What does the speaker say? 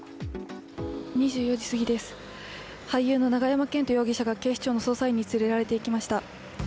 ２４時すぎです、俳優の永山絢斗容疑者が警視庁に連れられていきました。